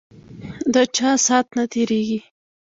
ده چا سات نه تیریږی